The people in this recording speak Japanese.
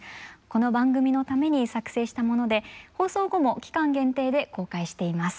この番組のために作成したもので放送後も期間限定で公開しています。